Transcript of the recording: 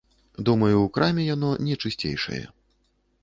Думаю, у краме яно не чысцейшае.